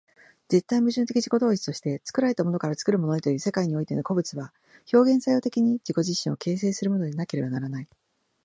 絶対矛盾的自己同一として、作られたものから作るものへという世界においての個物は、表現作用的に自己自身を形成するものでなければならない。